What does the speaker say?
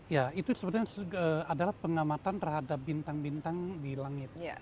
ya itu sebenarnya adalah pengamatan terhadap bintang bintang di langit